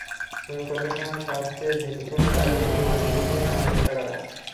ভূমিকম্পের সময় সবচেয়ে ঝুঁকিপূর্ণ কাজই হচ্ছে দৌড়ে সিঁড়ি দিয়ে নামার চেষ্টা করা।